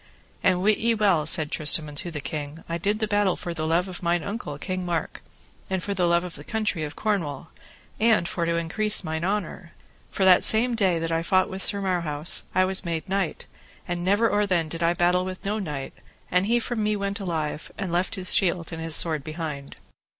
And wit ye well, said Tristram unto the king, I did the battle for the love of mine uncle, King Mark, and for the love of the country of Cornwall, and for to increase mine honour; for that same day that I fought with Sir Marhaus I was made knight, and never or then did I battle with no knight, and from me he went alive, and left his shield and his sword behind.